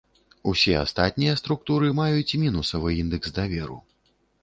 Усе астатнія структуры маюць мінусавы індэкс даверу.